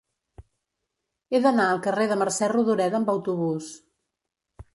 He d'anar al carrer de Mercè Rodoreda amb autobús.